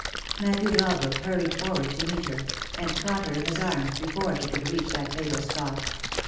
Matthew Dalbrook hurried forward to meet her, and caught her in his arms before she could reach that fatal spot.